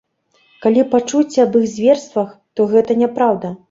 Калі пачуеце аб іх зверствах, то гэта няпраўда.